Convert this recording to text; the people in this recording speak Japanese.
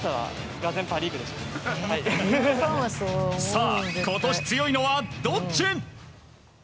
さあ、今年強いのはどっち？